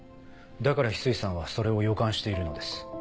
だから翡翠さんはそれを予感しているのです。